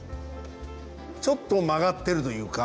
ちょっと曲がってるというか。